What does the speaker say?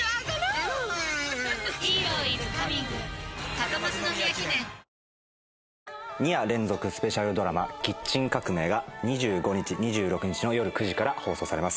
高校の時からさらに２夜連続スペシャルドラマ『キッチン革命』が２５日２６日のよる９時から放送されます。